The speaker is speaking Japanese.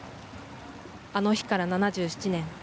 あの日から７７年。